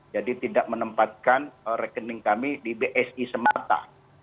jadi tidak menempatkan rekening kami di bsi semata